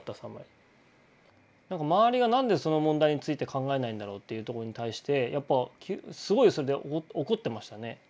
周りが何でその問題について考えないんだろうっていうとこに対してやっぱすごいそれで怒ってましたね。